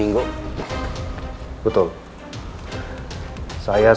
iya kan pak